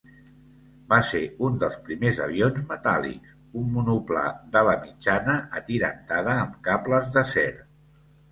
Va ser un dels primers avions metàl·lics, un monoplà d'ala mitjana atirantada amb cables d'acer.